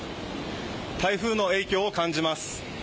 台風の影響を感じます。